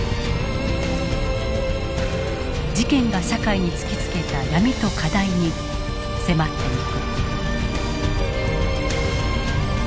事件が社会に突きつけた闇と課題に迫っていく。